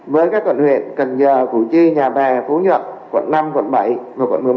với các quận huyện cần giờ củ chi nhà bè phú nhuận quận năm quận bảy và quận một mươi một